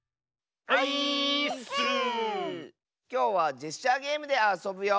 きょうはジェスチャーゲームであそぶよ。